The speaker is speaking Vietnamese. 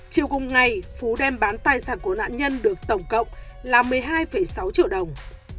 chiều cùng ngày phú đem bán tài sản của nạn nhân được tổng cộng là một mươi hai sáu triệu đồng